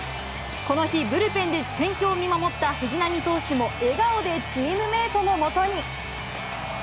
この日、ブルペンで戦況を見守った藤浪投手も笑顔でチームメートの元に。